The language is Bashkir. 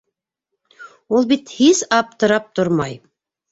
Ул бит һис аптырап тормай.